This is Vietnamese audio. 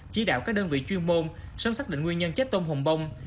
chỉ đạo các đơn vị chuyên môn sớm xác định nguyên nhân chết tôm hồng bông